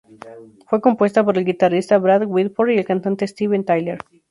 Fue compuesta por el guitarrista Brad Whitford y el cantante Steven Tyler.